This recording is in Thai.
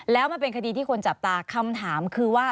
แล้วมันเป็นคดีที่คนจับตาคำถามคือว่า